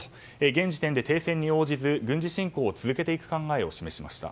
現時点で停戦に応じず軍事侵攻を続けていく考えを示しました。